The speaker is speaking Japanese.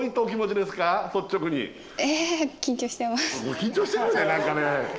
え緊張してくるね何かね。